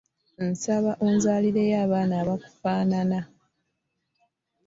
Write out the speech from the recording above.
Nsaba onzaalireyo abaana bakufaanane.